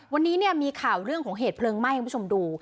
วันนี้เนี่ยมีข่าวเรื่องของเหตุเพลิงไหม้ให้คุณผู้ชมดู